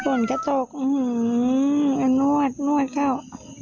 ปลุ่นจะตกโอ้โฮหนวดเข้า